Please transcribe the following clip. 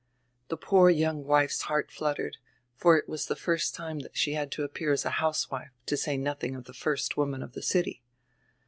The poor young wife's heart fluttered, for it was die first time diat she had to appear as a housewife, to say nodiing of die first woman of die city.